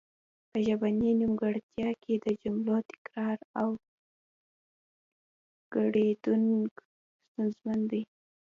په ژبنۍ نیمګړتیا کې د جملو تکرار او ګړیدنګ ستونزمن وي